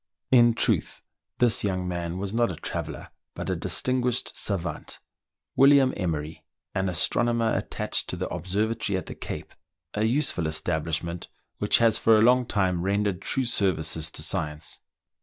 In truth, this young man was not a traveller, but a THREE ENGLISHMEN AND THREE RUSSIANS. 5 distinguished savant, William Emery, an astronomer at tached to the Observatory at the Cape — a useful establish ment, which has for a long time rendered true services to science.